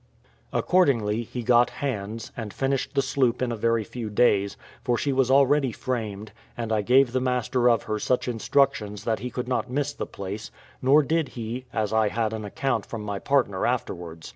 Accordingly, he got hands, and finished the sloop in a very few days, for she was already framed; and I gave the master of her such instructions that he could not miss the place; nor did he, as I had an account from my partner afterwards.